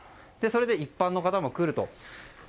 それで一般の方も来ると。